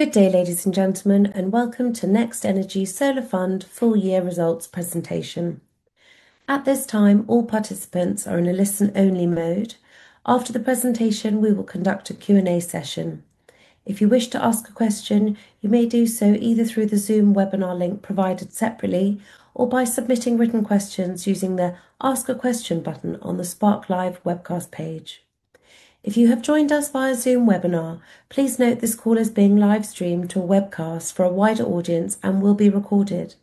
Good day, ladies and gentlemen, and welcome to NextEnergy Solar Fund full-year results presentation. At this time, all participants are in a listen-only mode. After the presentation, we will conduct a Q&A session. If you wish to ask a question, you may do so either through the Zoom webinar link provided separately or by submitting written questions using the Ask a Question button on the Spark Live webcast page. If you have joined us via Zoom webinar, please note this call is being live-streamed to a webcast for a wider audience and will be recorded.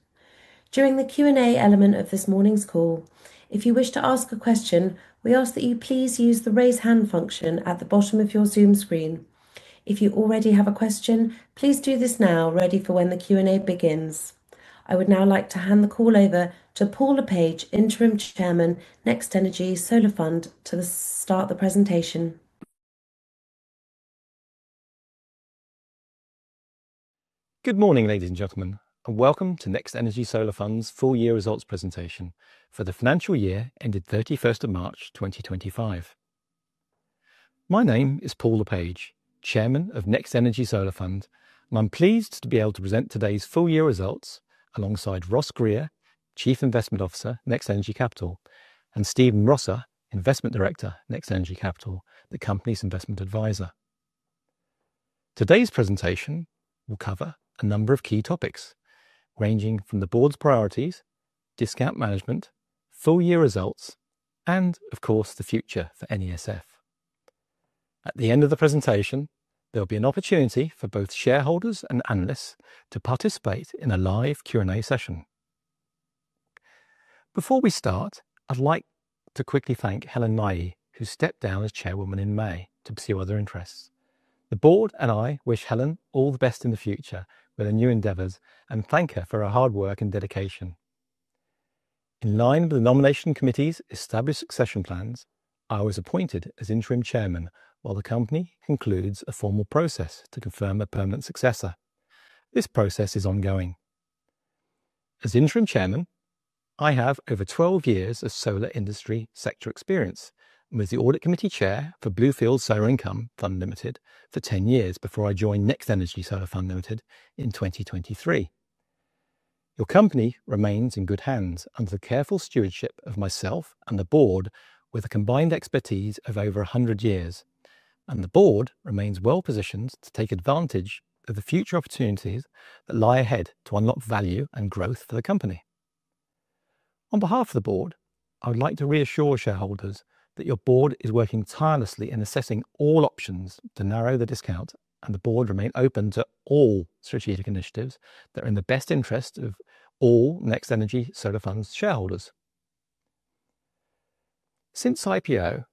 During the Q&A element of this morning's call, if you wish to ask a question, we ask that you please use the raise hand function at the bottom of your Zoom screen. If you already have a question, please do this now, ready for when the Q&A begins. I would now like to hand the call over to Paul Le Page, Interim Chairman, NextEnergy Solar Fund, to start the presentation. Good morning, ladies and gentlemen, and welcome to NextEnergy Solar Fund's full-year results presentation for the financial year ended 31 March 2025. My name is Paul Le Page, Chairman of NextEnergy Solar Fund, and I'm pleased to be able to present today's full-year results alongside Ross Grier, Chief Investment Officer, NextEnergy Capital, and Stephen Rosser, Investment Director, NextEnergy Capital, the company's Investment Advisor. Today's presentation will cover a number of key topics ranging from the board's priorities, discount management, full-year results, and, of course, the future for NESF. At the end of the presentation, there'll be an opportunity for both shareholders and analysts to participate in a live Q&A session. Before we start, I'd like to quickly thank Helen Nye, who stepped down as Chairwoman in May to pursue other interests. The board and I wish Helen all the best in the future with her new endeavours and thank her for her hard work and dedication. In line with the nomination committee's established succession plans, I was appointed as Interim Chairman while the company concludes a formal process to confirm a permanent successor. This process is ongoing. As Interim Chairman, I have over 12 years of solar industry sector experience and was the Audit Committee Chair for Bluefield Solar Income Fund Limited for 10 years before I joined NextEnergy Solar Fund in 2023. Your company remains in good hands under the careful stewardship of myself and the board, with a combined expertise of over 100 years, and the board remains well positioned to take advantage of the future opportunities that lie ahead to unlock value and growth for the company. On behalf of the board, I would like to reassure shareholders that your board is working tirelessly in assessing all options to narrow the discount, and the board remains open to all strategic initiatives that are in the best interest of all NextEnergy Solar Fund's shareholders. Since IPO,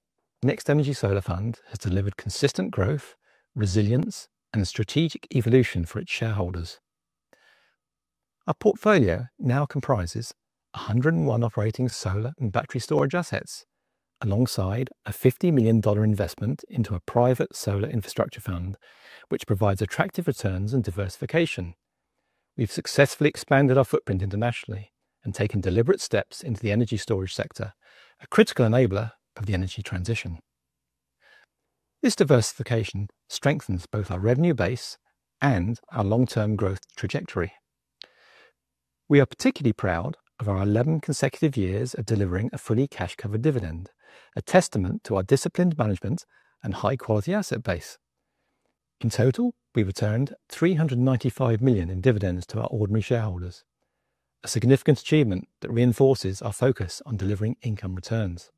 NextEnergy Solar Fund has delivered consistent growth, resilience, and a strategic evolution for its shareholders. Our portfolio now comprises 101 operating solar and battery storage assets, alongside a $50 million investment into a private solar infrastructure fund, which provides attractive returns and diversification. We've successfully expanded our footprint internationally and taken deliberate steps into the energy storage sector, a critical enabler of the energy transition. This diversification strengthens both our revenue base and our long-term growth trajectory. We are particularly proud of our 11 consecutive years of delivering a fully cash-covered dividend, a testament to our disciplined management and high-quality asset base. In total, we've returned $395 million in dividends to our ordinary shareholders, a significant achievement that reinforces our focus on delivering income returns.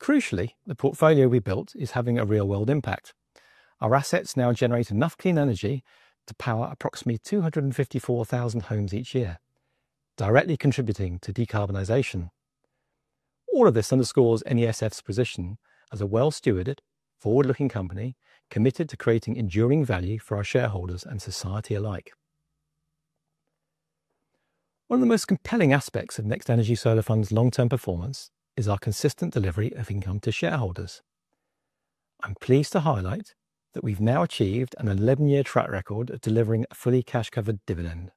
Crucially, the portfolio we built is having a real-world impact. Our assets now generate enough clean energy to power approximately 254,000 homes each year, directly contributing to decarbonisation. All of this underscores NESF's position as a well-stewarded, forward-looking company committed to creating enduring value for our shareholders and society alike. One of the most compelling aspects of NextEnergy Solar Fund's long-term performance is our consistent delivery of income to shareholders. I'm pleased to highlight that we've now achieved an 11-year track record of delivering a fully cash-covered dividend,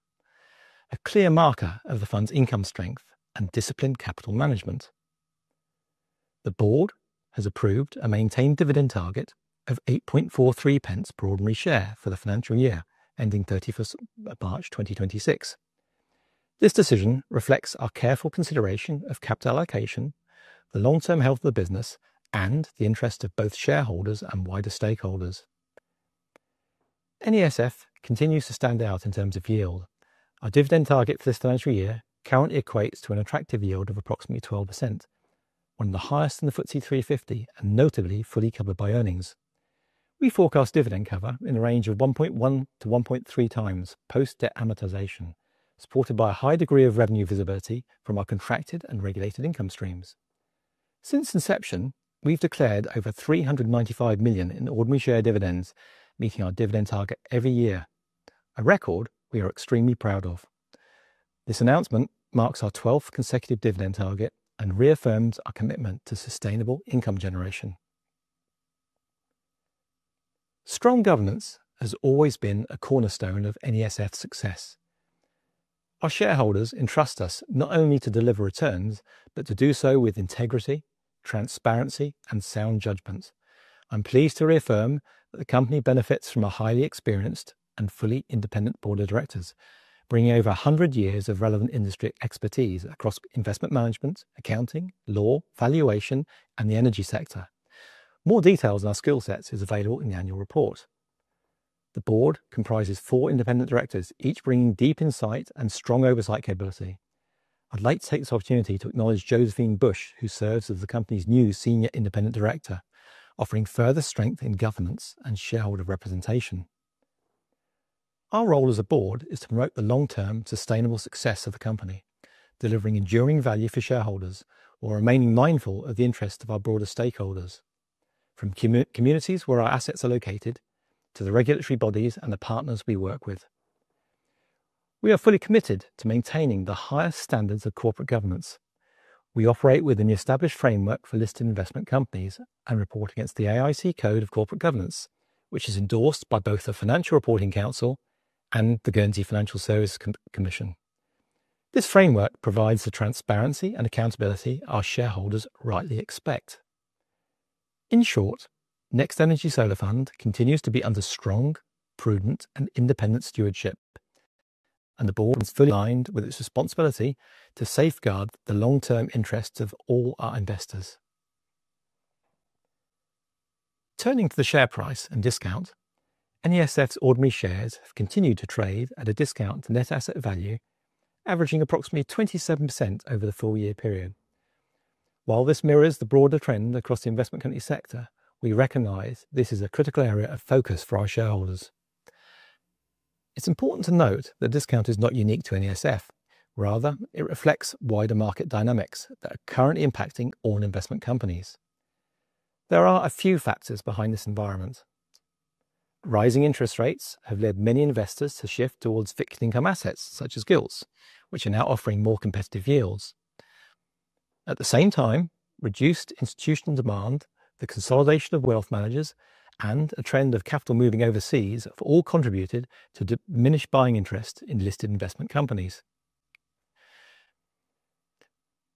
a clear marker of the fund's income strength and disciplined capital management. The board has approved a maintained dividend target of 8.43 pence per ordinary share for the financial year ending 31 March 2026. This decision reflects our careful consideration of capital allocation, the long-term health of the business, and the interest of both shareholders and wider stakeholders. NESF continues to stand out in terms of yield. Our dividend target for this financial year currently equates to an attractive yield of approximately 12%, one of the highest in the FTSE 350 and notably fully covered by earnings. We forecast dividend cover in the range of 1.1-1.3 times post-debt amortization, supported by a high degree of revenue visibility from our contracted and regulated income streams. Since inception, we've declared over $395 million in ordinary share dividends, meeting our dividend target every year, a record we are extremely proud of. This announcement marks our 12th consecutive dividend target and reaffirms our commitment to sustainable income generation. Strong governance has always been a cornerstone of NESF's success. Our shareholders entrust us not only to deliver returns, but to do so with integrity, transparency, and sound judgment. I'm pleased to reaffirm that the company benefits from our highly experienced and fully independent Board of Directors, bringing over 100 years of relevant industry expertise across investment management, accounting, law, valuation, and the energy sector. More details on our skill sets are available in the annual report. The Board comprises four independent directors, each bringing deep insight and strong oversight capability. I'd like to take this opportunity to acknowledge Josephine Bush, who serves as the company's new Senior Independent Director, offering further strength in governance and shareholder representation. Our role as a board is to promote the long-term sustainable success of the company, delivering enduring value for shareholders while remaining mindful of the interests of our broader stakeholders, from communities where our assets are located to the regulatory bodies and the partners we work with. We are fully committed to maintaining the highest standards of corporate governance. We operate within the established framework for listed investment companies and report against the AIC Code of Corporate Governance, which is endorsed by both the Financial Reporting Council and the Guernsey Financial Services Commission. This framework provides the transparency and accountability our shareholders rightly expect. In short, NextEnergy Solar Fund continues to be under strong, prudent, and independent stewardship, and the board is fully aligned with its responsibility to safeguard the long-term interests of all our investors. Turning to the share price and discount, NESF's ordinary shares have continued to trade at a discount to net asset value, averaging approximately 27% over the full-year period. While this mirrors the broader trend across the investment company sector, we recognize this is a critical area of focus for our shareholders. It's important to note that discount is not unique to NESF; rather, it reflects wider market dynamics that are currently impacting all investment companies. There are a few factors behind this environment. Rising interest rates have led many investors to shift towards fixed income assets such as gilts, which are now offering more competitive yields. At the same time, reduced institutional demand, the consolidation of wealth managers, and a trend of capital moving overseas have all contributed to diminished buying interest in listed investment companies.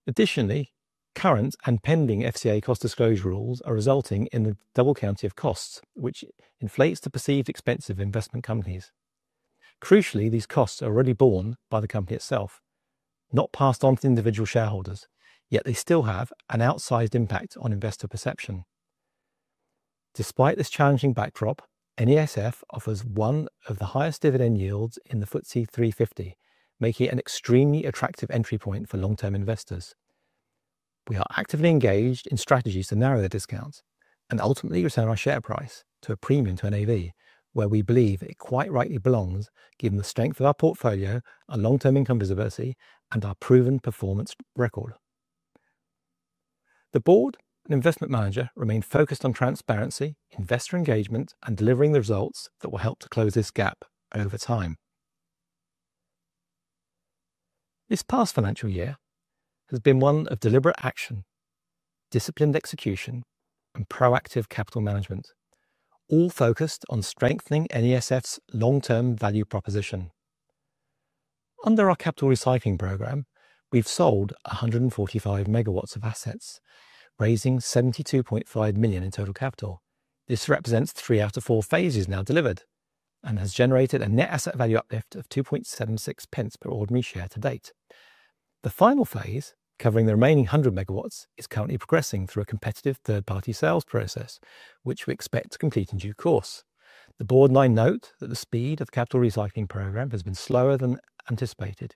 Additionally, current and pending FCA cost disclosure rules are resulting in the double counting of costs, which inflates the perceived expense of investment companies. Crucially, these costs are already borne by the company itself, not passed on to individual shareholders, yet they still have an outsized impact on investor perception. Despite this challenging backdrop, NESF offers one of the highest dividend yields in the FTSE 350, making it an extremely attractive entry point for long-term investors. We are actively engaged in strategies to narrow the discount and ultimately return our share price to a premium to NAV, where we believe it quite rightly belongs, given the strength of our portfolio, our long-term income visibility, and our proven performance record. The Board and investment manager remain focused on transparency, investor engagement, and delivering the results that will help to close this gap over time. This past financial year has been one of deliberate action, disciplined execution, and proactive capital management, all focused on strengthening NESF's long-term value proposition. Under our capital recycling programme, we've sold 145 megawatts of assets, raising $72.5 million in total capital. This represents three out of four phases now delivered and has generated a net asset value uplift of 2.76 pence per ordinary share to date. The final phase, covering the remaining 100 megawatts, is currently progressing through a competitive third-party sales process, which we expect to complete in due course. The Board and I note that the speed of the capital recycling programme has been slower than anticipated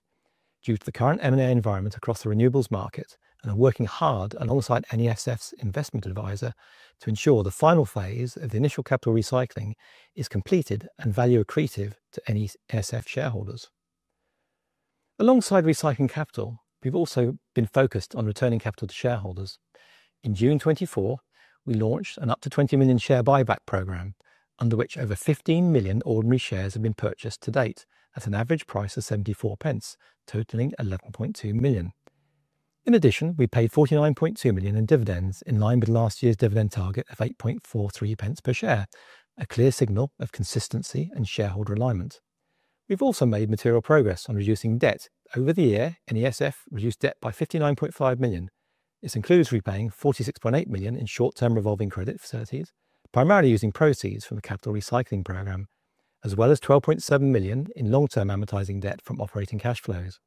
due to the current M&A environment across the renewables market, and we're working hard alongside NESF's investment advisor to ensure the final phase of the initial capital recycling is completed and value accretive to NESF shareholders. Alongside recycling capital, we've also been focused on returning capital to shareholders. In June 2024, we launched an up to $20 million share buyback program, under which over 15 million ordinary shares have been purchased to date at an average price of 0.74, totaling $11.2 million. In addition, we paid $49.2 million in dividends in line with last year's dividend target of 0.0843 per share, a clear signal of consistency and shareholder alignment. We've also made material progress on reducing debt. Over the year, NESF reduced debt by $59.5 million. This includes repaying $46.8 million in short-term revolving credit facilities, primarily using proceeds from the capital recycling program, as well as $12.7 million in long-term amortizing debt from operating cash flows.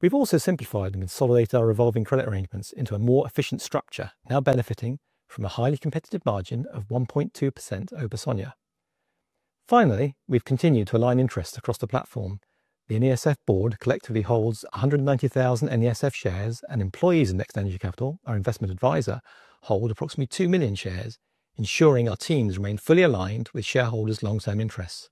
We've also simplified and consolidated our revolving credit arrangements into a more efficient structure, now benefiting from a highly competitive margin of 1.2% over SONIA. Finally, we've continued to align interests across the platform. The NESF board collectively holds 190,000 NESF shares, and employees of NextEnergy Capital, our investment advisor, hold approximately 2 million shares, ensuring our teams remain fully aligned with shareholders' long-term interests.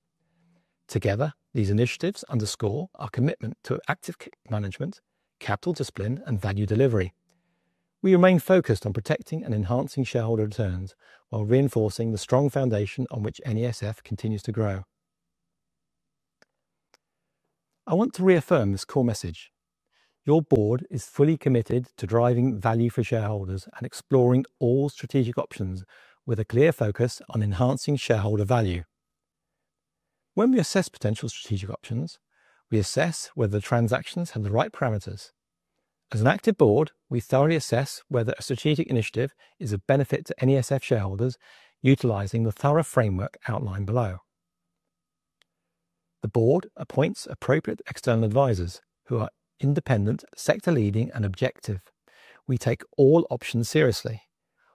Together, these initiatives underscore our commitment to active management, capital discipline, and value delivery. We remain focused on protecting and enhancing shareholder returns while reinforcing the strong foundation on which NESF continues to grow. I want to reaffirm this core message. Your board is fully committed to driving value for shareholders and exploring all strategic options with a clear focus on enhancing shareholder value. When we assess potential strategic options, we assess whether the transactions have the right parameters. As an active board, we thoroughly assess whether a strategic initiative is of benefit to NESF shareholders, utilizing the thorough framework outlined below. The board appoints appropriate external advisors who are independent, sector-leading, and objective. We take all options seriously.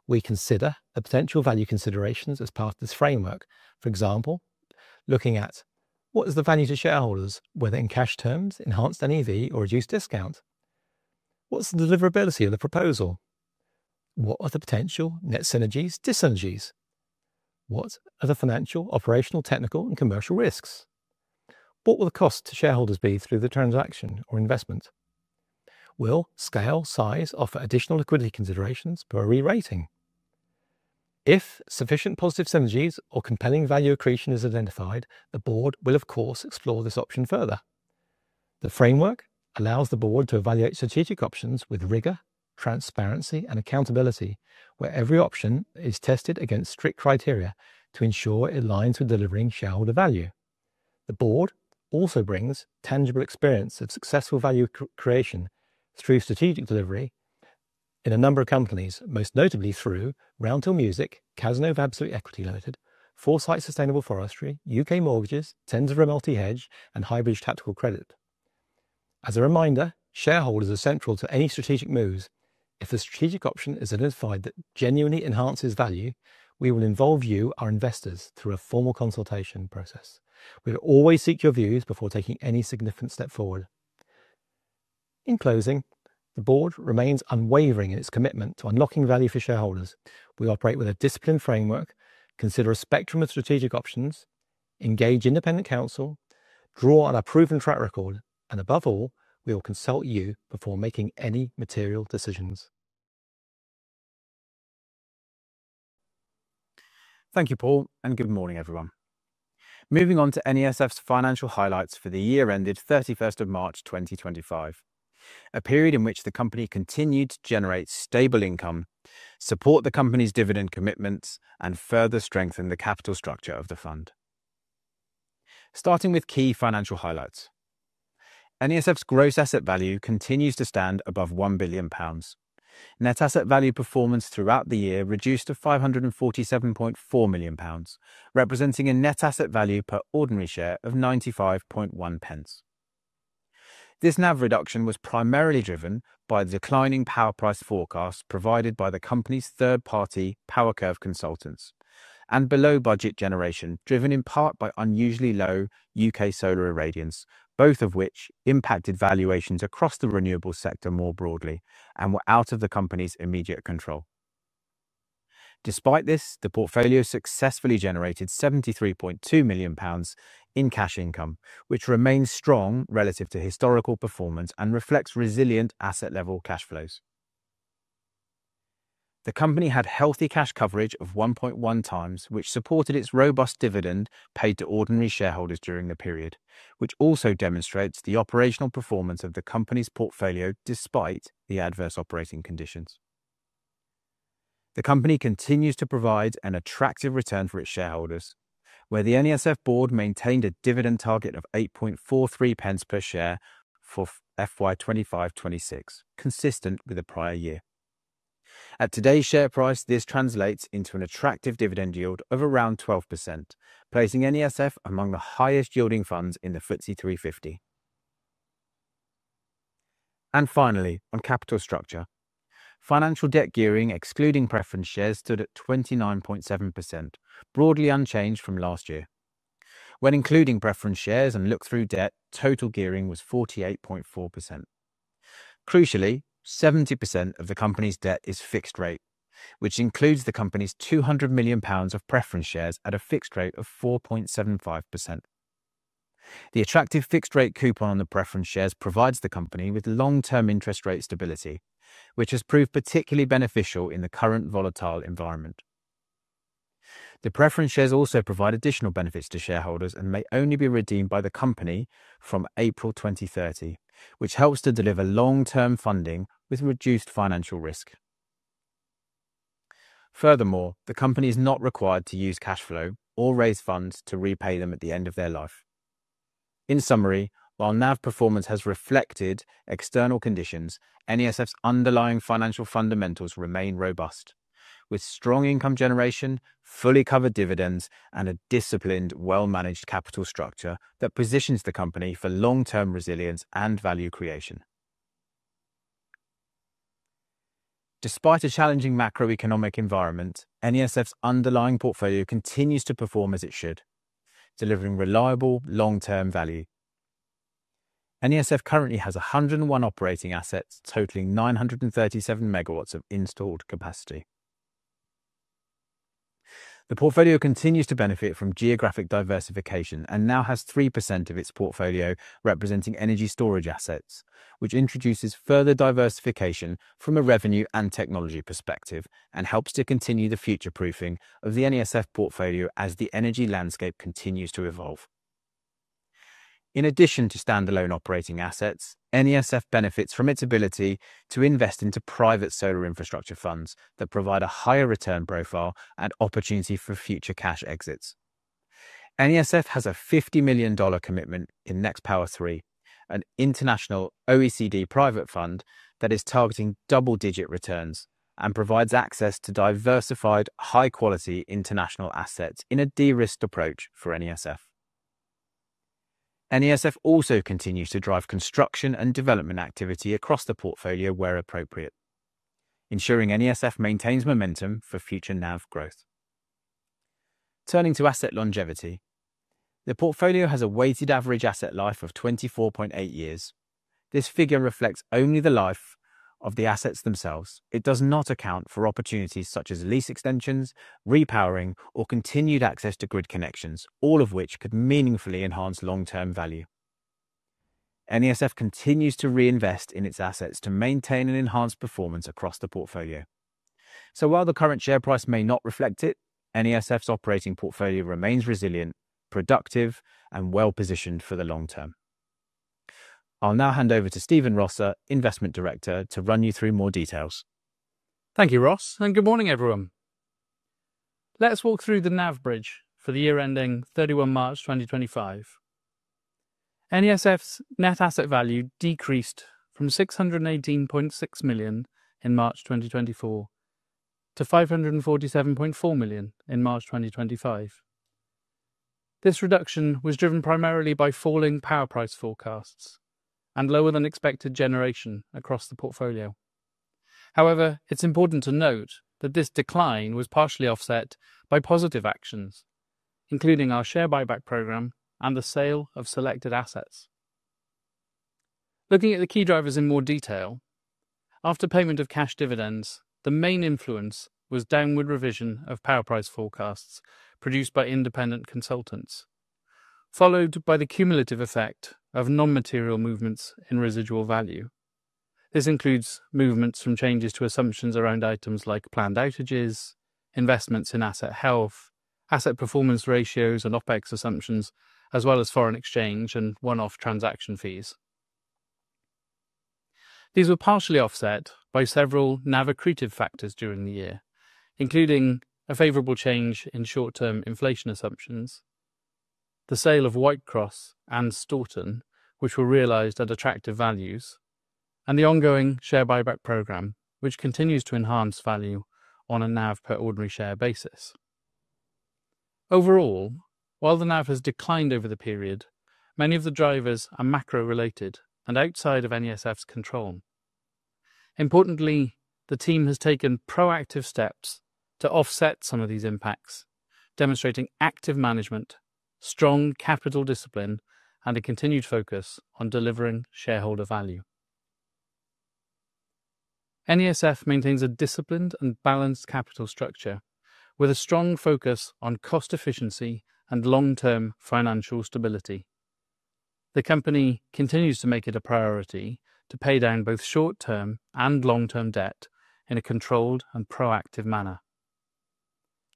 We consider the potential value considerations as part of this framework, for example, looking at what is the value to shareholders, whether in cash terms, enhanced NAV, or reduced discount? What's the deliverability of the proposal? What are the potential net synergies/dyssynergies? What are the financial, operational, technical, and commercial risks? What will the cost to shareholders be through the transaction or investment? Will scale/size offer additional liquidity considerations per rerating? If sufficient positive synergies or compelling value accretion is identified, the board will, of course, explore this option further. The framework allows the board to evaluate strategic options with rigor, transparency, and accountability, where every option is tested against strict criteria to ensure it aligns with delivering shareholder value. The board also brings tangible experience of successful value creation through strategic delivery in a number of companies, most notably through Roundtable Music, Cazeneuve Absolute Equity Limited, Foresight Sustainable Forestry, UK Mortgages, TensorFlow Multi-Hedge, and Highbridge Tactical Credit. As a reminder, shareholders are central to any strategic moves. If a strategic option is identified that genuinely enhances value, we will involve you, our investors, through a formal consultation process. We will always seek your views before taking any significant step forward. In closing, the board remains unwavering in its commitment to unlocking value for shareholders. We operate with a disciplined framework, consider a spectrum of strategic options, engage independent counsel, draw on our proven track record, and above all, we will consult you before making any material decisions. Thank you, Paul, and good morning, everyone. Moving on to NESF's financial highlights for the year ended 31 March 2025, a period in which the company continued to generate stable income, support the company's dividend commitments, and further strengthen the capital structure of the fund. Starting with key financial highlights, NESF's gross asset value continues to stand above 1 billion pounds. Net asset value performance throughout the year reduced to 547.4 million pounds, representing a net asset value per ordinary share of 95.1 pence. This NAV reduction was primarily driven by the declining power price forecasts provided by the company's third-party PowerCurve consultants and below-budget generation, driven in part by unusually low U.K. solar irradiance, both of which impacted valuations across the renewables sector more broadly and were out of the company's immediate control. Despite this, the portfolio successfully generated 73.2 million pounds in cash income, which remains strong relative to historical performance and reflects resilient asset-level cash flows. The company had healthy cash coverage of 1.1 times, which supported its robust dividend paid to ordinary shareholders during the period, which also demonstrates the operational performance of the company's portfolio despite the adverse operating conditions. The company continues to provide an attractive return for its shareholders, where the NESF board maintained a dividend target of 0.0843 per share for FY 2025-2026, consistent with the prior year. At today's share price, this translates into an attractive dividend yield of around 12%, placing NESF among the highest yielding funds in the FTSE 350. Finally, on capital structure, financial debt gearing, excluding preference shares, stood at 29.7%, broadly unchanged from last year. When including preference shares and looked through debt, total gearing was 48.4%. Crucially, 70% of the company's debt is fixed rate, which includes the company's 200 million pounds of preference shares at a fixed rate of 4.75%. The attractive fixed-rate coupon on the preference shares provides the company with long-term interest rate stability, which has proved particularly beneficial in the current volatile environment. The preference shares also provide additional benefits to shareholders and may only be redeemed by the company from April 2030, which helps to deliver long-term funding with reduced financial risk. Furthermore, the company is not required to use cash flow or raise funds to repay them at the end of their life. In summary, while NAV performance has reflected external conditions, NESF's underlying financial fundamentals remain robust, with strong income generation, fully covered dividends, and a disciplined, well-managed capital structure that positions the company for long-term resilience and value creation. Despite a challenging macroeconomic environment, NESF's underlying portfolio continues to perform as it should, delivering reliable long-term value. NESF currently has 101 operating assets totaling 937 MW of installed capacity. The portfolio continues to benefit from geographic diversification and now has 3% of its portfolio representing energy storage assets, which introduces further diversification from a revenue and technology perspective and helps to continue the future-proofing of the NESF portfolio as the energy landscape continues to evolve. In addition to standalone operating assets, NESF benefits from its ability to invest into private solar infrastructure funds that provide a higher return profile and opportunity for future cash exits. NESF has a $50 million commitment in NextPower3, an international OECD private fund that is targeting double-digit returns and provides access to diversified, high-quality international assets in a de-risked approach for NESF. NESF also continues to drive construction and development activity across the portfolio where appropriate, ensuring NESF maintains momentum for future NAV growth. Turning to asset longevity, the portfolio has a weighted average asset life of 24.8 years. This figure reflects only the life of the assets themselves. It does not account for opportunities such as lease extensions, repowering, or continued access to grid connections, all of which could meaningfully enhance long-term value. NESF continues to reinvest in its assets to maintain and enhance performance across the portfolio. While the current share price may not reflect it, NESF's operating portfolio remains resilient, productive, and well-positioned for the long term. I'll now hand over to Stephen Rosser, Investment Director, to run you through more details. Thank you, Ross, and good morning, everyone. Let's walk through the NAV bridge for the year ending 31 March 2025. NESF's net asset value decreased from 618.6 million in March 2024 to 547.4 million in March 2025. This reduction was driven primarily by falling power price forecasts and lower-than-expected generation across the portfolio. However, it's important to note that this decline was partially offset by positive actions, including our share buyback program and the sale of selected assets. Looking at the key drivers in more detail, after payment of cash dividends, the main influence was downward revision of power price forecasts produced by independent consultants, followed by the cumulative effect of non-material movements in residual value. This includes movements from changes to assumptions around items like planned outages, investments in asset health, asset performance ratios and OpEx assumptions, as well as foreign exchange and one-off transaction fees. These were partially offset by several NAV accretive factors during the year, including a favorable change in short-term inflation assumptions, the sale of White Cross and Staunton, which were realized at attractive values, and the ongoing share buyback program, which continues to enhance value on a NAV per ordinary share basis. Overall, while the NAV has declined over the period, many of the drivers are macro-related and outside of NESF's control. Importantly, the team has taken proactive steps to offset some of these impacts, demonstrating active management, strong capital discipline, and a continued focus on delivering shareholder value. NESF maintains a disciplined and balanced capital structure with a strong focus on cost efficiency and long-term financial stability. The company continues to make it a priority to pay down both short-term and long-term debt in a controlled and proactive manner.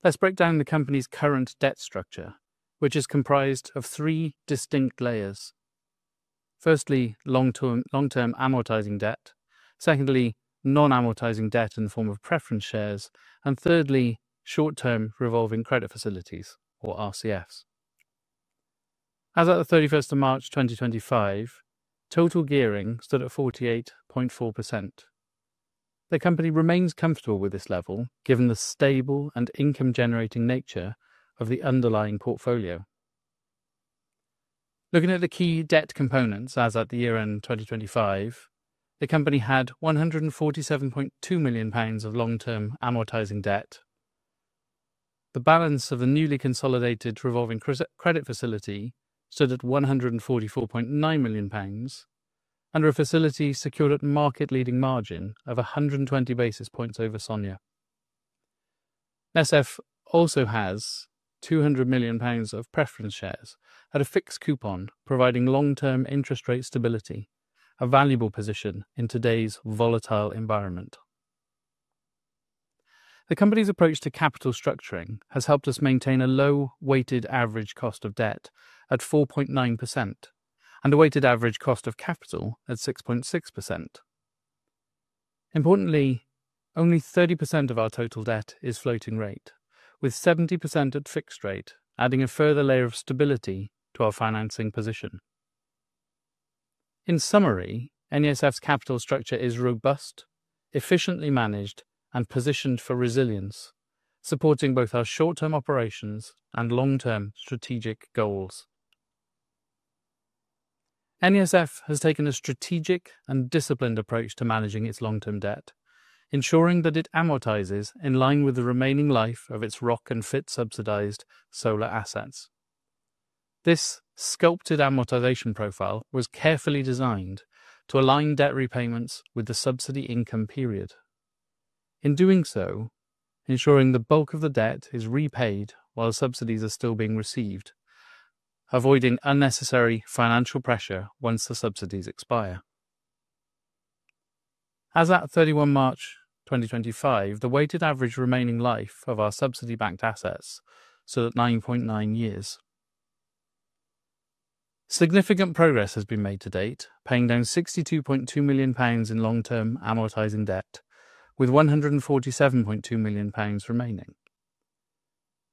Let's break down the company's current debt structure, which is comprised of three distinct layers. Firstly, long-term amortizing debt. Secondly, non-amortizing debt in the form of preference shares. And thirdly, short-term revolving credit facilities, or RCFs. As of 31 March 2025, total gearing stood at 48.4%. The company remains comfortable with this level given the stable and income-generating nature of the underlying portfolio. Looking at the key debt components, as at the year end 2025, the company had 147.2 million pounds of long-term amortizing debt. The balance of the newly consolidated revolving credit facility stood at 144.9 million pounds under a facility secured at market-leading margin of 120 basis points over SONIA. NESF also has 200 million pounds of preference shares at a fixed coupon, providing long-term interest rate stability, a valuable position in today's volatile environment. The company's approach to capital structuring has helped us maintain a low weighted average cost of debt at 4.9% and a weighted average cost of capital at 6.6%. Importantly, only 30% of our total debt is floating rate, with 70% at fixed rate, adding a further layer of stability to our financing position. In summary, NESF's capital structure is robust, efficiently managed, and positioned for resilience, supporting both our short-term operations and long-term strategic goals. NESF has taken a strategic and disciplined approach to managing its long-term debt, ensuring that it amortizes in line with the remaining life of its Rock & Fit subsidized solar assets. This sculpted amortization profile was carefully designed to align debt repayments with the subsidy income period. In doing so, ensuring the bulk of the debt is repaid while subsidies are still being received, avoiding unnecessary financial pressure once the subsidies expire. As at 31 March 2025, the weighted average remaining life of our subsidy-backed assets stood at 9.9 years. Significant progress has been made to date, paying down 62.2 million pounds in long-term amortizing debt, with 147.2 million pounds remaining.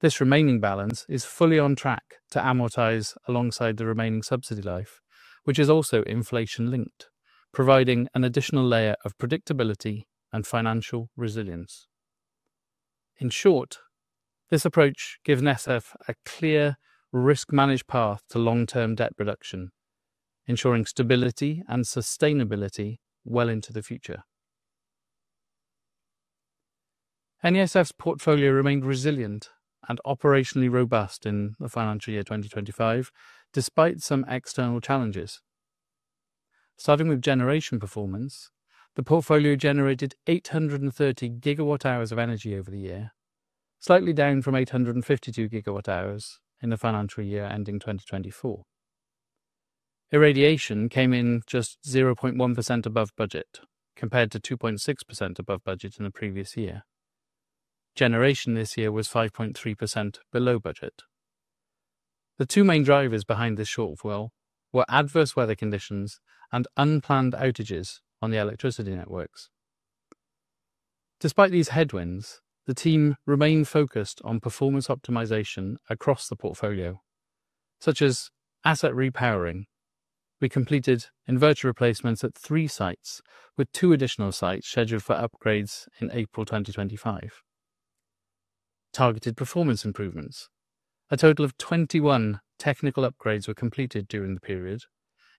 This remaining balance is fully on track to amortize alongside the remaining subsidy life, which is also inflation-linked, providing an additional layer of predictability and financial resilience. In short, this approach gives NESF a clear, risk-managed path to long-term debt reduction, ensuring stability and sustainability well into the future. NESF's portfolio remained resilient and operationally robust in the financial year 2025, despite some external challenges. Starting with generation performance, the portfolio generated 830 gigawatt-hours of energy over the year, slightly down from 852 gigawatt-hours in the financial year ending 2024. Irradiation came in just 0.1% above budget, compared to 2.6% above budget in the previous year. Generation this year was 5.3% below budget. The two main drivers behind this shortfall were adverse weather conditions and unplanned outages on the electricity networks. Despite these headwinds, the team remained focused on performance optimization across the portfolio, such as asset repowering. We completed inverter replacements at three sites, with two additional sites scheduled for upgrades in April 2025. Targeted performance improvements, a total of 21 technical upgrades were completed during the period,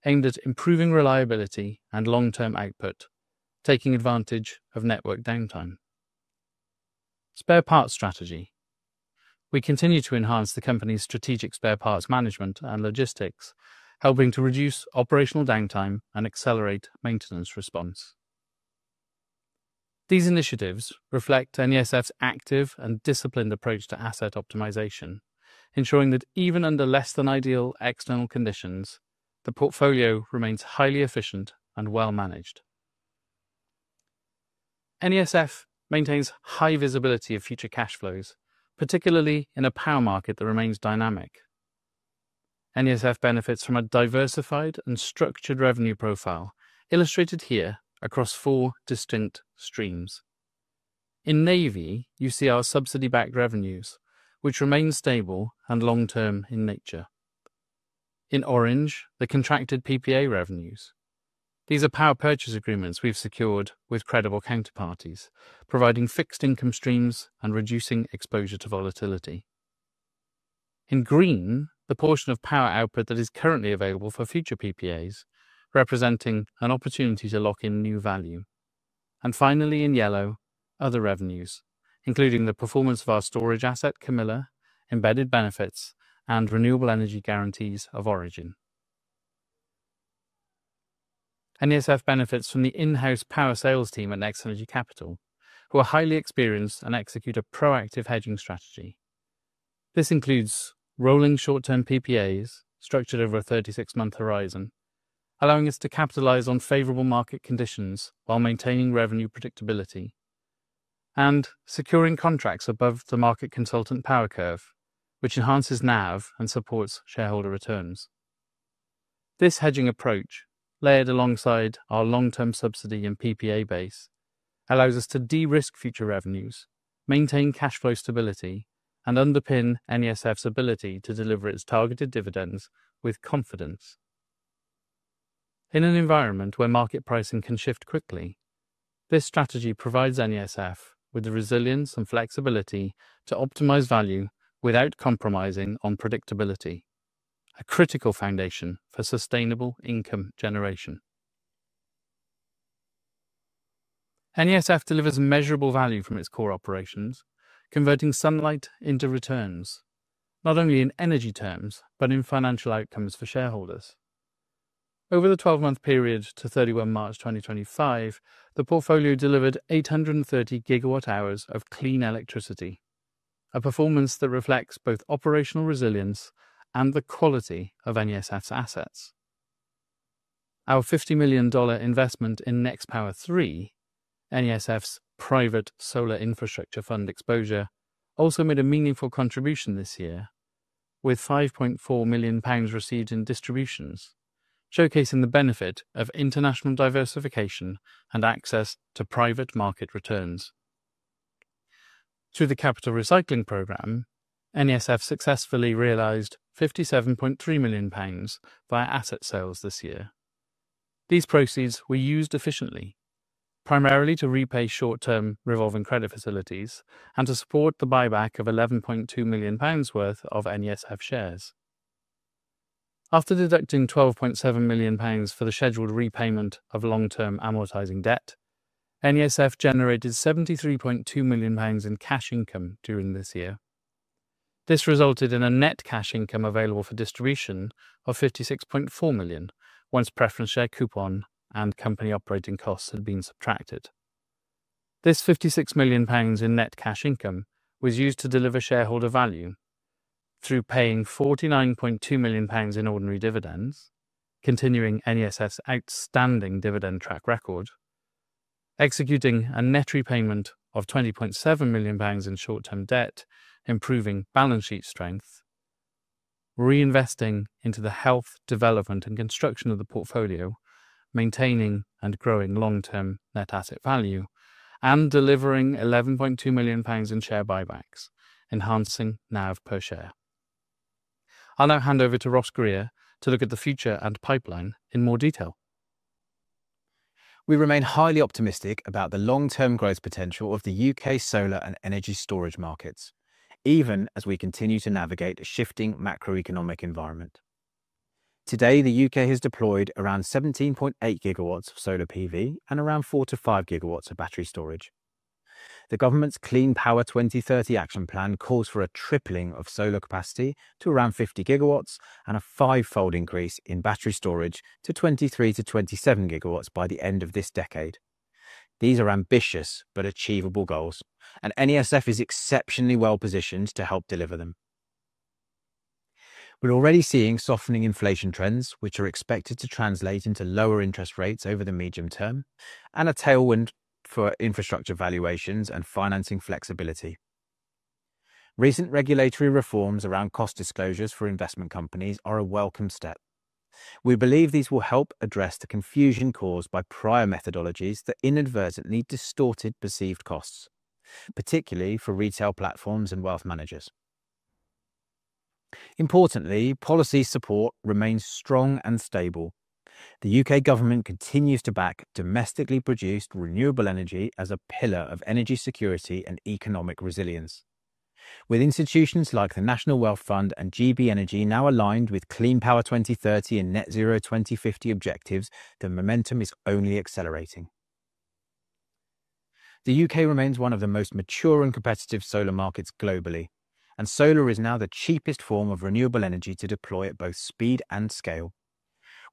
aimed at improving reliability and long-term output, taking advantage of network downtime. Spare parts strategy. We continue to enhance the company's strategic spare parts management and logistics, helping to reduce operational downtime and accelerate maintenance response. These initiatives reflect NESF's active and disciplined approach to asset optimization, ensuring that even under less-than-ideal external conditions, the portfolio remains highly efficient and well-managed. NESF maintains high visibility of future cash flows, particularly in a power market that remains dynamic. NESF benefits from a diversified and structured revenue profile, illustrated here across four distinct streams. In navy, you see our subsidy-backed revenues, which remain stable and long-term in nature. In orange, the contracted PPA revenues. These are power purchase agreements we've secured with credible counterparties, providing fixed income streams and reducing exposure to volatility. In green, the portion of power output that is currently available for future PPAs, representing an opportunity to lock in new value. In yellow, other revenues, including the performance of our storage asset, Camilla, embedded benefits, and renewable energy guarantees of origin. NESF benefits from the in-house power sales team at NextEnergy Capital, who are highly experienced and execute a proactive hedging strategy. This includes rolling short-term PPAs structured over a 36-month horizon, allowing us to capitalize on favorable market conditions while maintaining revenue predictability and securing contracts above the market consultant power curve, which enhances NAV and supports shareholder returns. This hedging approach, layered alongside our long-term subsidy and PPA base, allows us to de-risk future revenues, maintain cash flow stability, and underpin NESF's ability to deliver its targeted dividends with confidence. In an environment where market pricing can shift quickly, this strategy provides NESF with the resilience and flexibility to optimise value without compromising on predictability, a critical foundation for sustainable income generation. NESF delivers measurable value from its core operations, converting sunlight into returns, not only in energy terms but in financial outcomes for shareholders. Over the 12-month period to 31 March 2025, the portfolio delivered 830 gigawatt-hours of clean electricity, a performance that reflects both operational resilience and the quality of NESF's assets. Our $50 million investment in NextPower3, NESF's private solar infrastructure fund exposure, also made a meaningful contribution this year, with 5.4 million pounds received in distributions, showcasing the benefit of international diversification and access to private market returns. Through the capital recycling programme, NESF successfully realised GBP 57.3 million via asset sales this year. These proceeds were used efficiently, primarily to repay short-term revolving credit facilities and to support the buyback of GBP 11.2 million worth of NESF shares. After deducting GBP 12.7 million for the scheduled repayment of long-term amortizing debt, NESF generated GBP 73.2 million in cash income during this year. This resulted in a net cash income available for distribution of 56.4 million, once preference share coupon and company operating costs had been subtracted. This GBP 56 million in net cash income was used to deliver shareholder value through paying 49.2 million pounds in ordinary dividends, continuing NESF's outstanding dividend track record, executing a net repayment of 20.7 million pounds in short-term debt, improving balance sheet strength, reinvesting into the health, development, and construction of the portfolio, maintaining and growing long-term net asset value, and delivering 11.2 million pounds in share buybacks, enhancing NAV per share. I'll now hand over to Ross Grier to look at the future and pipeline in more detail. We remain highly optimistic about the long-term growth potential of the U.K. solar and energy storage markets, even as we continue to navigate a shifting macroeconomic environment. Today, the U.K. has deployed around 17.8 gigawatts of solar PV and around 4-5 gigawatts of battery storage. The government's Clean Power 2030 action plan calls for a tripling of solar capacity to around 50 gigawatts and a five-fold increase in battery storage to 23-27 gigawatts by the end of this decade. These are ambitious but achievable goals, and NESF is exceptionally well positioned to help deliver them. We're already seeing softening inflation trends, which are expected to translate into lower interest rates over the medium term and a tailwind for infrastructure valuations and financing flexibility. Recent regulatory reforms around cost disclosures for investment companies are a welcome step. We believe these will help address the confusion caused by prior methodologies that inadvertently distorted perceived costs, particularly for retail platforms and wealth managers. Importantly, policy support remains strong and stable. The U.K. government continues to back domestically produced renewable energy as a pillar of energy security and economic resilience. With institutions like the National Wealth Fund and GB Energy now aligned with Clean Power 2030 and Net Zero 2050 objectives, the momentum is only accelerating. The U.K. remains one of the most mature and competitive solar markets globally, and solar is now the cheapest form of renewable energy to deploy at both speed and scale.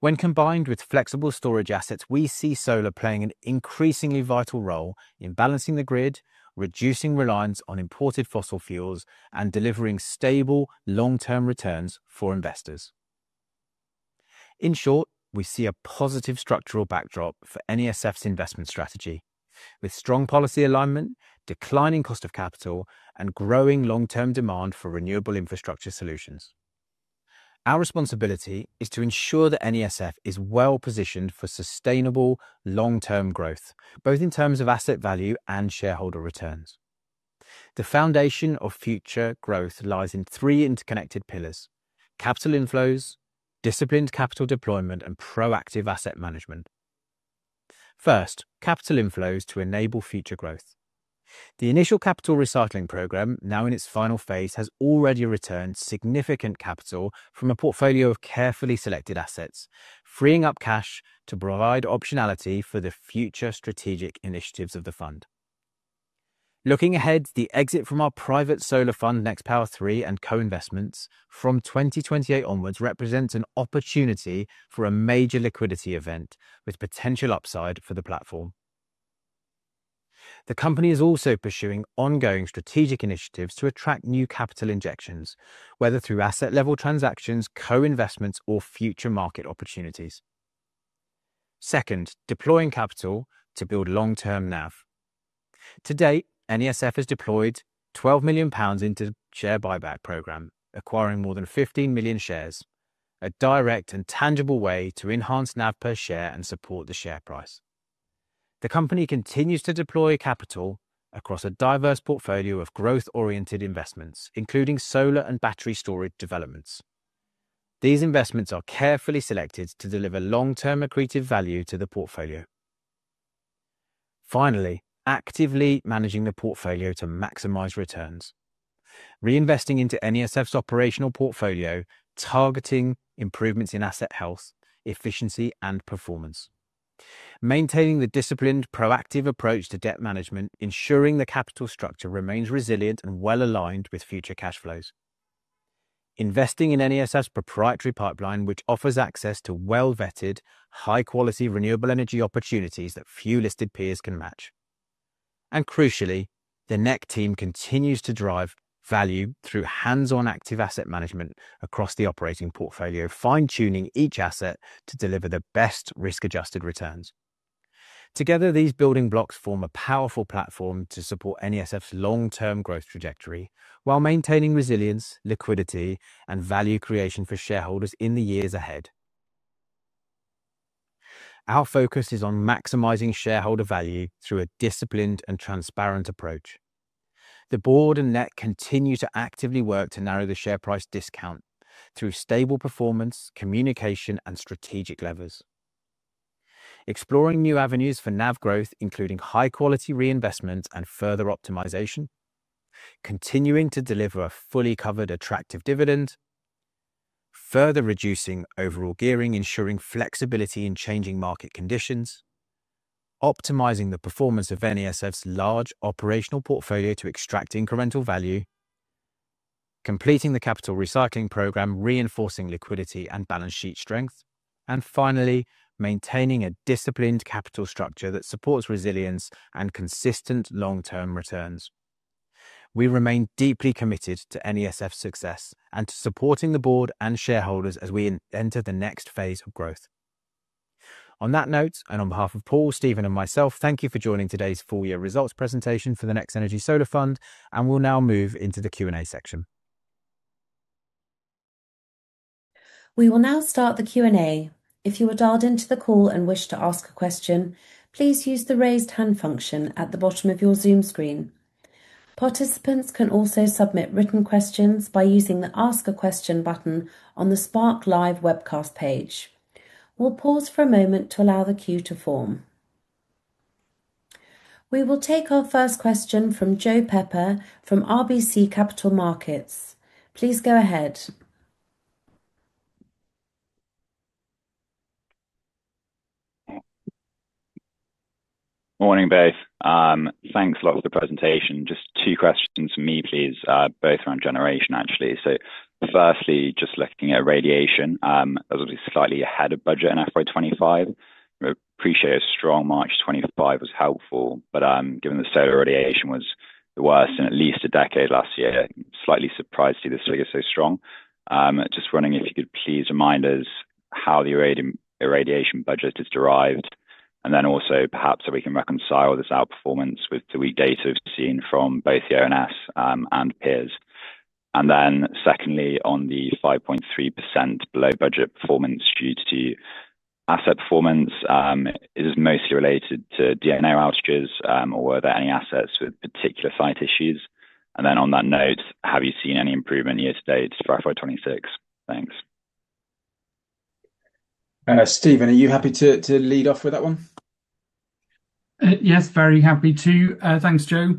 When combined with flexible storage assets, we see solar playing an increasingly vital role in balancing the grid, reducing reliance on imported fossil fuels, and delivering stable, long-term returns for investors. In short, we see a positive structural backdrop for NESF's investment strategy, with strong policy alignment, declining cost of capital, and growing long-term demand for renewable infrastructure solutions. Our responsibility is to ensure that NESF is well positioned for sustainable long-term growth, both in terms of asset value and shareholder returns. The foundation of future growth lies in three interconnected pillars: capital inflows, disciplined capital deployment, and proactive asset management. First, capital inflows to enable future growth. The initial capital recycling programme, now in its final phase, has already returned significant capital from a portfolio of carefully selected assets, freeing up cash to provide optionality for the future strategic initiatives of the fund. Looking ahead, the exit from our private solar fund, NextPower3 and co-investments from 2028 onwards represents an opportunity for a major liquidity event with potential upside for the platform. The company is also pursuing ongoing strategic initiatives to attract new capital injections, whether through asset-level transactions, co-investments, or future market opportunities. Second, deploying capital to build long-term NAV. To date, NESF has deployed 12 million pounds into the share buyback program, acquiring more than 15 million shares, a direct and tangible way to enhance NAV per share and support the share price. The company continues to deploy capital across a diverse portfolio of growth-oriented investments, including solar and battery storage developments. These investments are carefully selected to deliver long-term accretive value to the portfolio. Finally, actively managing the portfolio to maximize returns, reinvesting into NESF's operational portfolio, targeting improvements in asset health, efficiency, and performance, maintaining the disciplined, proactive approach to debt management, ensuring the capital structure remains resilient and well-aligned with future cash flows, investing in NESF's proprietary pipeline, which offers access to well-vetted, high-quality renewable energy opportunities that few listed peers can match. Crucially, the NEC team continues to drive value through hands-on active asset management across the operating portfolio, fine-tuning each asset to deliver the best risk-adjusted returns. Together, these building blocks form a powerful platform to support NESF's long-term growth trajectory while maintaining resilience, liquidity, and value creation for shareholders in the years ahead. Our focus is on maximizing shareholder value through a disciplined and transparent approach. The board and NEC continue to actively work to narrow the share price discount through stable performance, communication, and strategic levers. Exploring new avenues for NAV growth, including high-quality reinvestment and further optimisation, continuing to deliver a fully covered attractive dividend, further reducing overall gearing, ensuring flexibility in changing market conditions, optimising the performance of NESF's large operational portfolio to extract incremental value, completing the capital recycling programme, reinforcing liquidity and balance sheet strength, and finally, maintaining a disciplined capital structure that supports resilience and consistent long-term returns. We remain deeply committed to NESF's success and to supporting the board and shareholders as we enter the next phase of growth. On that note, and on behalf of Paul, Stephen, and myself, thank you for joining today's full-year results presentation for the NextEnergy Solar Fund, and we'll now move into the Q&A section. We will now start the Q&A. If you are dialed into the call and wish to ask a question, please use the raised hand function at the bottom of your Zoom screen. Participants can also submit written questions by using the Ask a Question button on the Spark Live webcast page. We'll pause for a moment to allow the queue to form. We will take our first question from Joe Pepper from RBC Capital Markets. Please go ahead. Morning, both. Thanks a lot for the presentation. Just two questions for me, please, both around generation, actually. Firstly, just looking at irradiation, as we're slightly ahead of budget in FY25, we appreciate a strong March 2025 was helpful, but given the solar irradiation was the worst in at least a decade last year, slightly surprised to see this figure so strong. Just wondering if you could please remind us how the irradiation budget is derived, and then also perhaps so we can reconcile this outperformance with the weak data we've seen from both the ONS and peers. Secondly, on the 5.3% below budget performance due to asset performance, is this mostly related to DNA outages or were there any assets with particular site issues? On that note, have you seen any improvement year to date for FY26? Thanks. Stephen, are you happy to lead off with that one? Yes, very happy to. Thanks, Joe.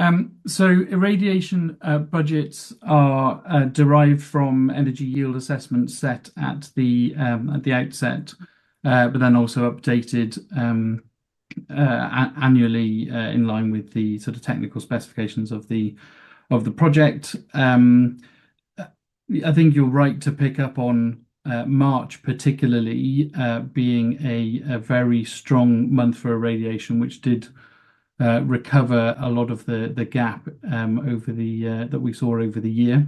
Irradiation budgets are derived from energy yield assessments set at the outset, but then also updated annually in line with the sort of technical specifications of the project. I think you're right to pick up on March, particularly being a very strong month for irradiation, which did recover a lot of the gap that we saw over the year.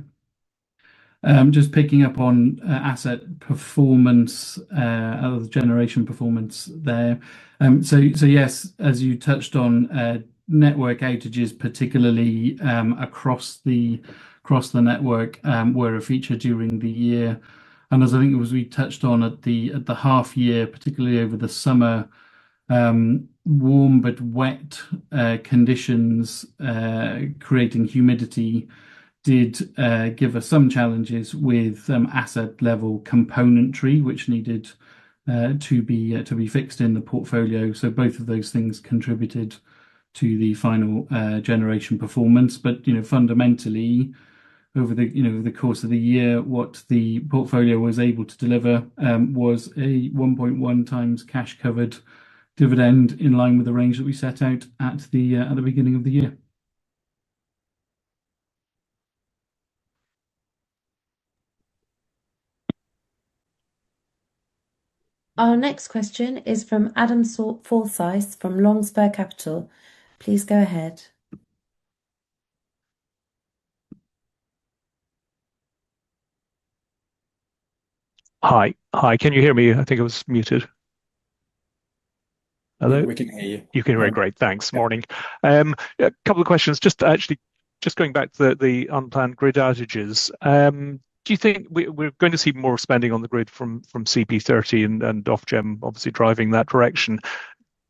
Just picking up on asset performance, other generation performance there. Yes, as you touched on, network outages, particularly across the network, were a feature during the year. As I think it was we touched on at the half year, particularly over the summer, warm but wet conditions creating humidity did give us some challenges with asset-level componentry, which needed to be fixed in the portfolio. Both of those things contributed to the final generation performance. Fundamentally, over the course of the year, what the portfolio was able to deliver was a 1.1 times cash covered dividend in line with the range that we set out at the beginning of the year. Our next question is from Adam Forsyth from Longspur Capital. Please go ahead. Hi. Hi. Can you hear me? I think I was muted. Hello? We can hear you. You can hear me, great. Thanks. Morning. A couple of questions. Just actually just going back to the unplanned grid outages. Do you think we're going to see more spending on the grid from CP30 and Ofgem, obviously driving that direction?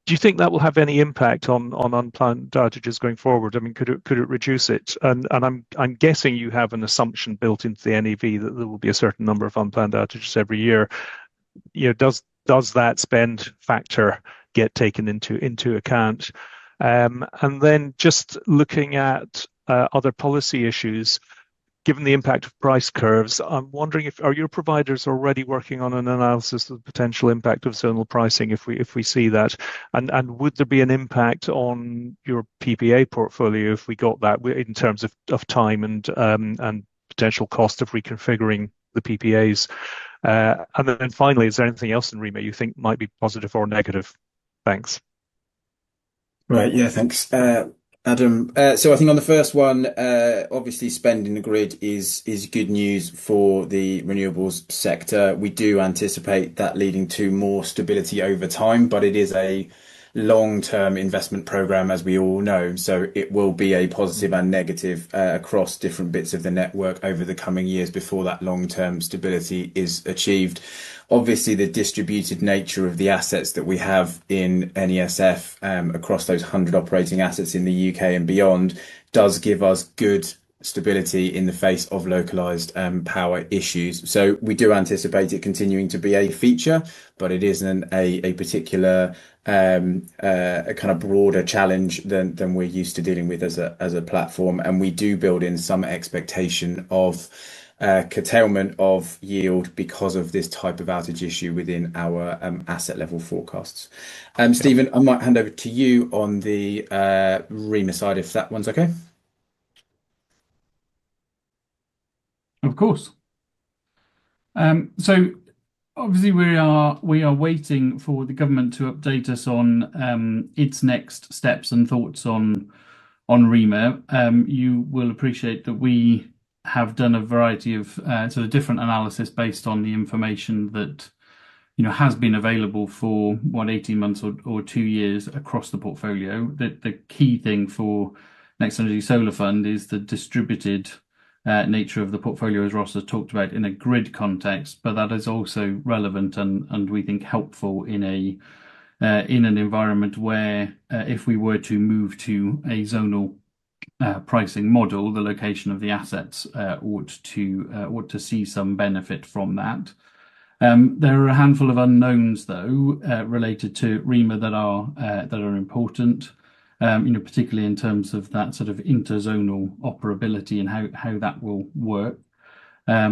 Do you think that will have any impact on unplanned outages going forward? I mean, could it reduce it? And I'm guessing you have an assumption built into the NAV that there will be a certain number of unplanned outages every year. Does that spend factor get taken into account? And then just looking at other policy issues, given the impact of price curves, I'm wondering if are your providers already working on an analysis of the potential impact of zonal pricing if we see that? Would there be an impact on your PPA portfolio if we got that in terms of time and potential cost of reconfiguring the PPAs? Finally, is there anything else in REMA you think might be positive or negative? Thanks. Right. Yeah, thanks, Adam. I think on the first one, obviously spending the grid is good news for the renewables sector. We do anticipate that leading to more stability over time, but it is a long-term investment program, as we all know. It will be a positive and negative across different bits of the network over the coming years before that long-term stability is achieved. Obviously, the distributed nature of the assets that we have in NESF across those 100 operating assets in the U.K. and beyond does give us good stability in the face of localized power issues. We do anticipate it continuing to be a feature, but it is not a particular kind of broader challenge than we are used to dealing with as a platform. We do build in some expectation of curtailment of yield because of this type of outage issue within our asset-level forecasts. Stephen, I might hand over to you on the REMA side if that one is okay. Of course. Obviously, we are waiting for the government to update us on its next steps and thoughts on REMA. You will appreciate that we have done a variety of sort of different analysis based on the information that has been available for 18 months or two years across the portfolio. The key thing for NextEnergy Solar Fund is the distributed nature of the portfolio, as Ross has talked about, in a grid context, but that is also relevant and we think helpful in an environment where if we were to move to a zonal pricing model, the location of the assets ought to see some benefit from that. There are a handful of unknowns, though, related to REMA that are important, particularly in terms of that sort of interzonal operability and how that will work. We are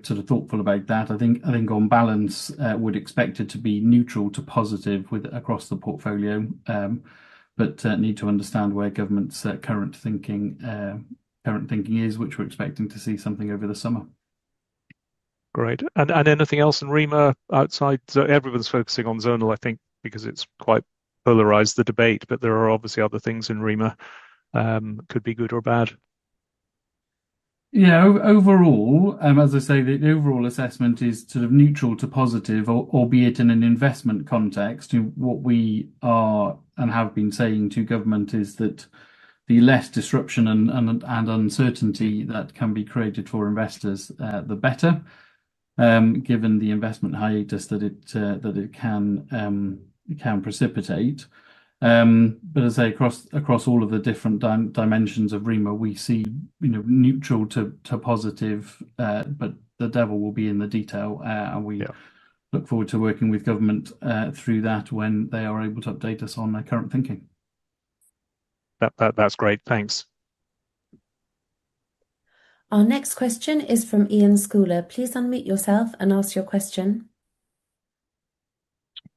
sort of thoughtful about that. I think on balance, we'd expect it to be neutral to positive across the portfolio, but need to understand where government's current thinking is, which we're expecting to see something over the summer. Great. Anything else in REMA outside? Everyone's focusing on zonal, I think, because it's quite polarised the debate, but there are obviously other things in REMA that could be good or bad. Yeah, overall, as I say, the overall assessment is sort of neutral to positive, albeit in an investment context. What we are and have been saying to government is that the less disruption and uncertainty that can be created for investors, the better, given the investment hiatus that it can precipitate. As I say, across all of the different dimensions of REMA, we see neutral to positive, but the devil will be in the detail, and we look forward to working with government through that when they are able to update us on their current thinking. That's great. Thanks. Our next question is from Ian Schouler. Please unmute yourself and ask your question.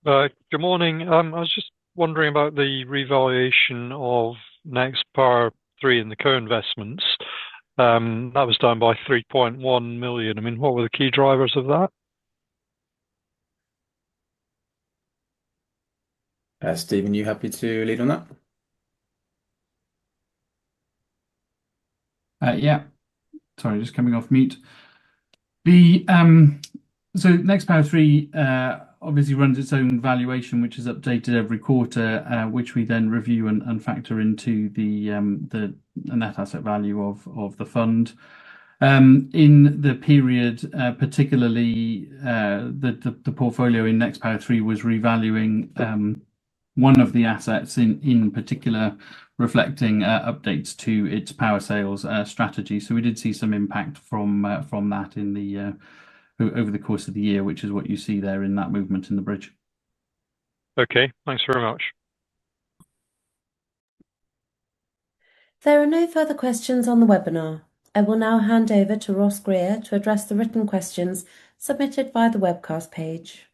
Good morning. I was just wondering about the revaluation of NextPower3 and the co-investments. That was done by $3.1 million. I mean, what were the key drivers of that? Stephen, you happy to lead on that? Yeah. Sorry, just coming off mute. NextPower3 obviously runs its own valuation, which is updated every quarter, which we then review and factor into the net asset value of the fund. In the period, particularly the portfolio in NextPower3 was revaluing one of the assets in particular, reflecting updates to its power sales strategy. We did see some impact from that over the course of the year, which is what you see there in that movement in the bridge. Okay. Thanks very much. There are no further questions on the webinar. I will now hand over to Ross Grier to address the written questions submitted by the webcast page.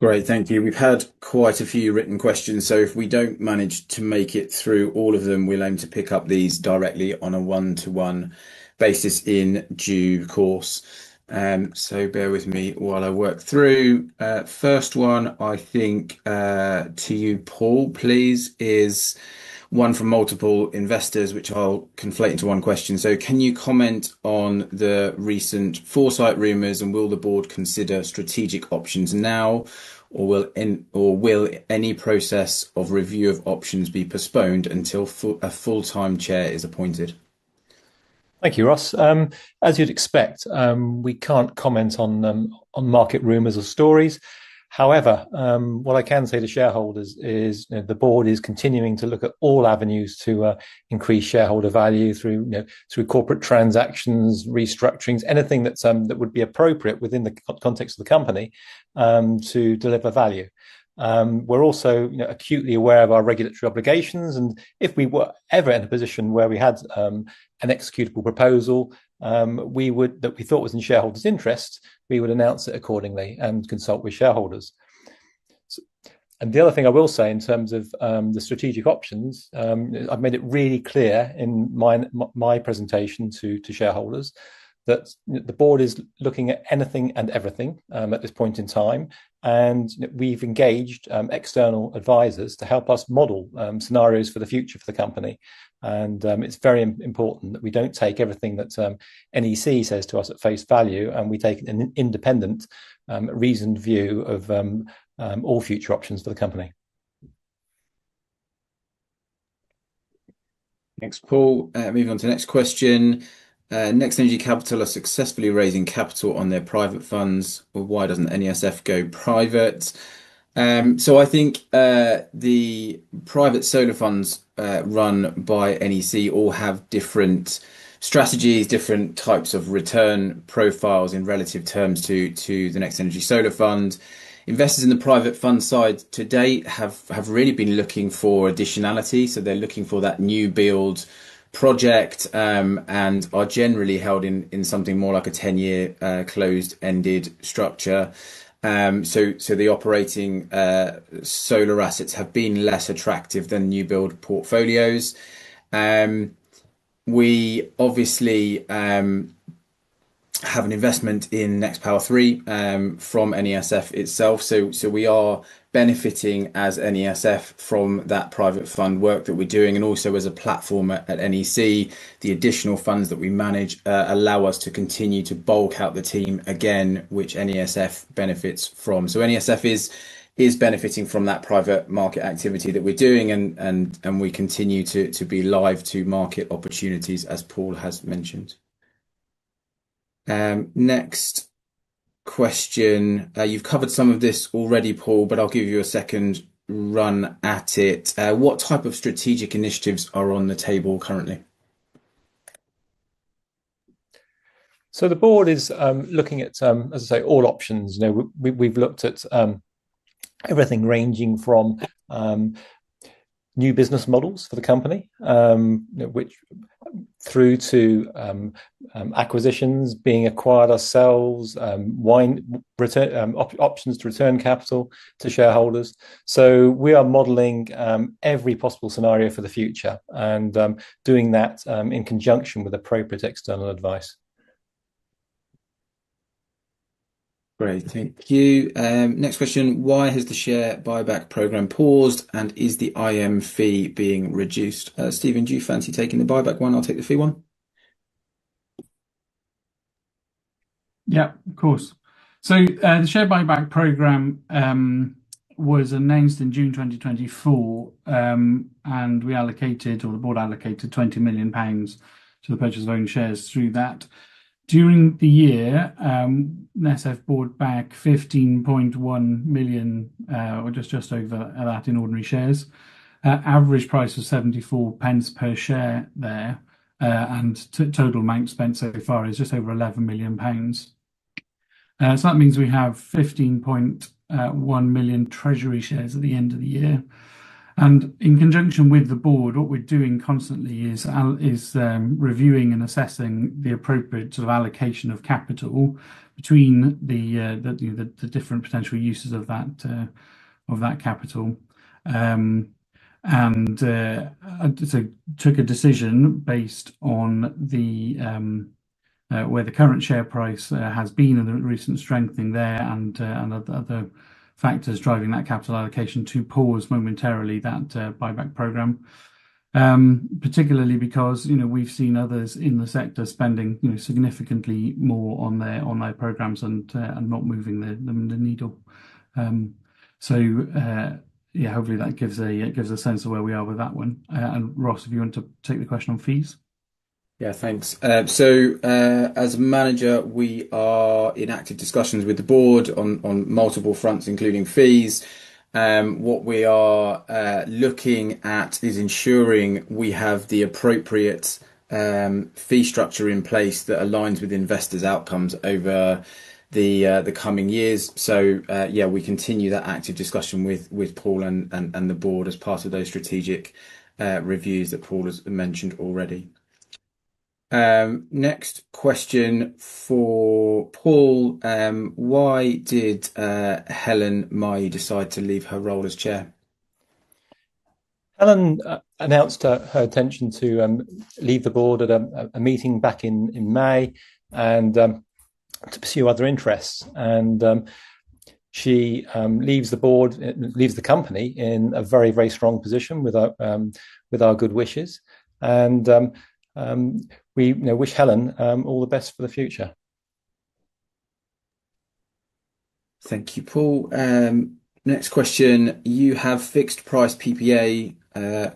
Great. Thank you. We've had quite a few written questions. If we do not manage to make it through all of them, we'll aim to pick up these directly on a one-to-one basis in due course. Bear with me while I work through. First one, I think to you, Paul, please, is one from multiple investors, which I'll conflate into one question. Can you comment on the recent Foresight rumors and will the board consider strategic options now, or will any process of review of options be postponed until a full-time chair is appointed? Thank you, Ross. As you'd expect, we can't comment on market rumors or stories. However, what I can say to shareholders is the board is continuing to look at all avenues to increase shareholder value through corporate transactions, restructurings, anything that would be appropriate within the context of the company to deliver value. We're also acutely aware of our regulatory obligations, and if we were ever in a position where we had an executable proposal that we thought was in shareholders' interest, we would announce it accordingly and consult with shareholders. The other thing I will say in terms of the strategic options, I've made it really clear in my presentation to shareholders that the board is looking at anything and everything at this point in time, and we've engaged external advisors to help us model scenarios for the future for the company. It is very important that we don't take everything that NEC says to us at face value, and we take an independent, reasoned view of all future options for the company. Thanks, Paul. Moving on to the next question. NextEnergy Capital are successfully raising capital on their private funds. Why doesn't NESF go private? I think the private solar funds run by NEC all have different strategies, different types of return profiles in relative terms to the NextEnergy Solar Fund. Investors in the private fund side today have really been looking for additionality, so they're looking for that new build project and are generally held in something more like a 10-year closed-ended structure. The operating solar assets have been less attractive than new build portfolios. We obviously have an investment in NextPower3 from NESF itself. We are benefiting as NESF from that private fund work that we're doing. Also, as a platform at NEC, the additional funds that we manage allow us to continue to bulk out the team again, which NESF benefits from. NESF is benefiting from that private market activity that we're doing, and we continue to be live to market opportunities, as Paul has mentioned. Next question. You've covered some of this already, Paul, but I'll give you a second run at it. What type of strategic initiatives are on the table currently? The board is looking at, as I say, all options. We've looked at everything ranging from new business models for the company through to acquisitions, being acquired ourselves, options to return capital to shareholders. We are modeling every possible scenario for the future and doing that in conjunction with appropriate external advice. Great. Thank you. Next question. Why has the share buyback program paused, and is the IM fee being reduced? Stephen, do you fancy taking the buyback one? I'll take the fee one. Yeah, of course. The share buyback program was announced in June 2024, and we allocated, or the board allocated, 20 million pounds to the purchase of own shares through that. During the year, NESF bought back 15.1 million, or just over that, in ordinary shares. Average price was 0.74 per share there, and total amount spent so far is just over 11 million pounds. That means we have 15.1 million treasury shares at the end of the year. In conjunction with the board, what we're doing constantly is reviewing and assessing the appropriate sort of allocation of capital between the different potential uses of that capital. We took a decision based on where the current share price has been and the recent strengthening there and other factors driving that capital allocation to pause momentarily that buyback program, particularly because we've seen others in the sector spending significantly more on their programs and not moving the needle. Hopefully that gives a sense of where we are with that one. Ross, if you want to take the question on fees. Yeah, thanks. As a manager, we are in active discussions with the board on multiple fronts, including fees. What we are looking at is ensuring we have the appropriate fee structure in place that aligns with investors' outcomes over the coming years. Yeah, we continue that active discussion with Paul and the board as part of those strategic reviews that Paul has mentioned already. Next question for Paul. Why did Helen Nye decide to leave her role as Chair? Helen announced her intention to leave the board at a meeting back in May and to pursue other interests. She leaves the board, leaves the company in a very, very strong position with our good wishes. We wish Helen all the best for the future. Thank you, Paul. Next question. You have fixed price PPA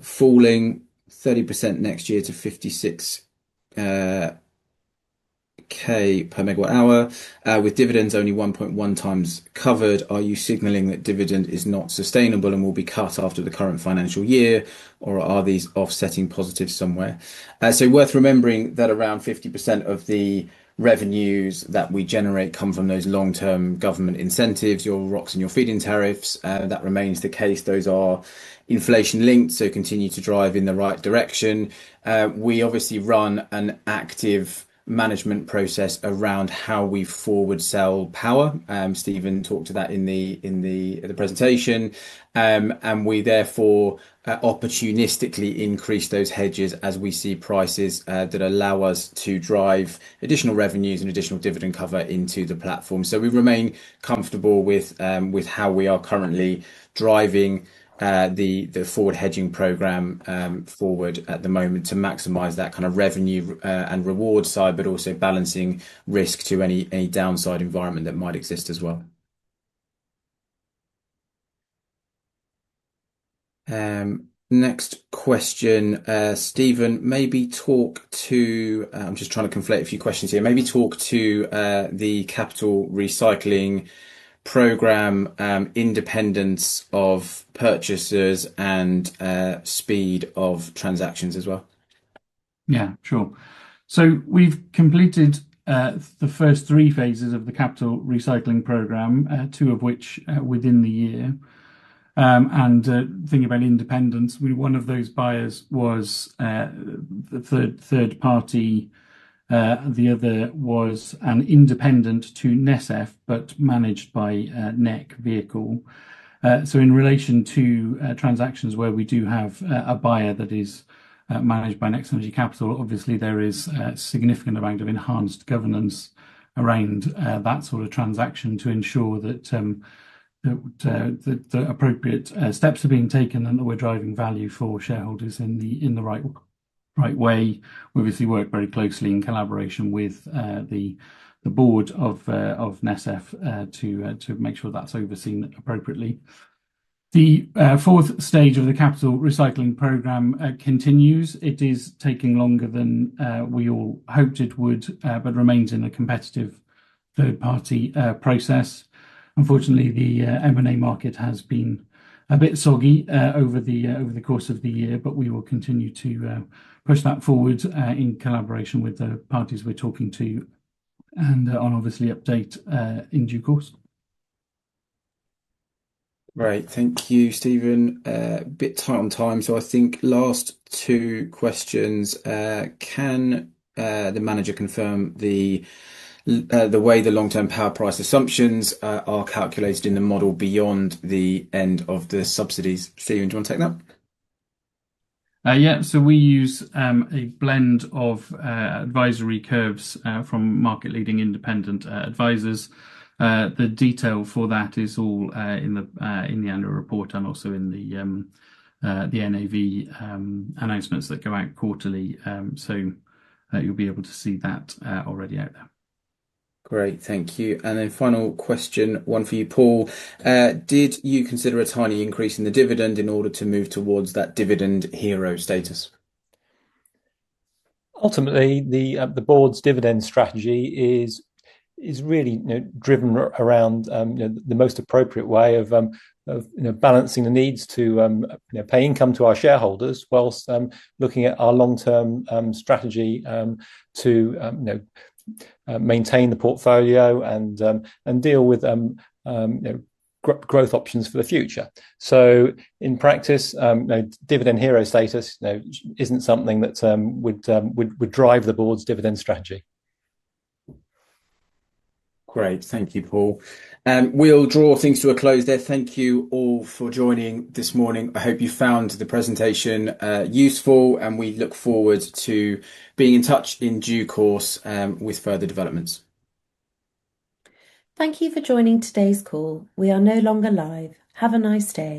falling 30% next year to 56,000 per megawatt hour with dividends only 1.1 times covered. Are you signalling that dividend is not sustainable and will be cut after the current financial year, or are these offsetting positives somewhere? It is worth remembering that around 50% of the revenues that we generate come from those long-term government incentives, your ROCs and your feed-in tariffs. That remains the case. Those are inflation-linked, so continue to drive in the right direction. We obviously run an active management process around how we forward-sell power. Stephen talked to that in the presentation. We therefore opportunistically increase those hedges as we see prices that allow us to drive additional revenues and additional dividend cover into the platform. We remain comfortable with how we are currently driving the forward hedging program forward at the moment to maximize that kind of revenue and reward side, but also balancing risk to any downside environment that might exist as well. Next question. Stephen, maybe talk to—I'm just trying to conflate a few questions here—maybe talk to the capital recycling program, independence of purchasers, and speed of transactions as well. Yeah, sure. We have completed the first three phases of the capital recycling program, two of which within the year. Thinking about independence, one of those buyers was a third party. The other was independent to NESF, but managed by NEC Vehicle. In relation to transactions where we do have a buyer that is managed by NextEnergy Capital, obviously there is a significant amount of enhanced governance around that sort of transaction to ensure that the appropriate steps are being taken and that we are driving value for shareholders in the right way. We obviously work very closely in collaboration with the board of NESF to make sure that is overseen appropriately. The fourth stage of the capital recycling program continues. It is taking longer than we all hoped it would, but remains in a competitive third-party process. Unfortunately, the M&A market has been a bit soggy over the course of the year, but we will continue to push that forward in collaboration with the parties we are talking to and obviously update in due course. Right. Thank you, Stephen. A bit tight on time. I think last two questions. Can the manager confirm the way the long-term power price assumptions are calculated in the model beyond the end of the subsidies? Stephen, do you want to take that? Yeah. We use a blend of advisory curves from market-leading independent advisors. The detail for that is all in the annual report and also in the NAV announcements that go out quarterly. You will be able to see that already out there. Great. Thank you. Final question, one for you, Paul. Did you consider a tiny increase in the dividend in order to move towards that dividend hero status? Ultimately, the board's dividend strategy is really driven around the most appropriate way of balancing the needs to pay income to our shareholders whilst looking at our long-term strategy to maintain the portfolio and deal with growth options for the future. In practice, dividend hero status is not something that would drive the board's dividend strategy. Great. Thank you, Paul. We will draw things to a close there. Thank you all for joining this morning. I hope you found the presentation useful, and we look forward to being in touch in due course with further developments. Thank you for joining today's call. We are no longer live. Have a nice day.